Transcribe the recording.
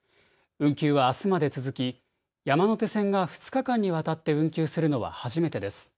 運休はあすまで続き、山手線が２日間にわたって運休するのは初めてです。